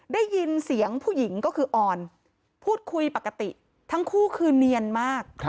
ได้ยินเสียงผู้หญิงก็คือออนพูดคุยปกติทั้งคู่คือเนียนมาก